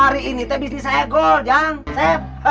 hari ini itu bisnis saya goldin cik